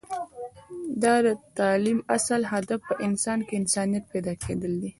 د تعلیم اصل هدف په انسان کې انسانیت پیدا کیدل دی